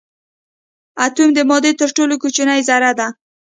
اتوم د مادې تر ټولو کوچنۍ ذره ده.